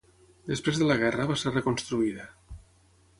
Després de la Guerra va ser reconstruïda.